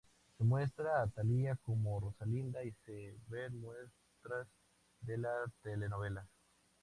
Se muestra a Thalía como Rosalinda y se ven muestras de la telenovela.